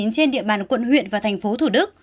trên địa bàn quận huyện và thành phố thủ đức